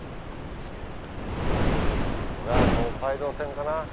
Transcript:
これは東海道線かな。